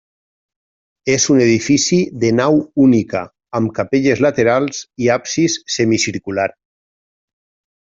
És un edifici de nau única, amb capelles laterals i absis semicircular.